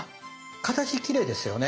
形きれいですよね。